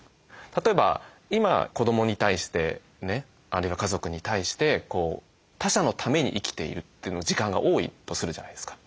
例えば今子どもに対してねあるいは家族に対して他者のために生きているという時間が多いとするじゃないですか。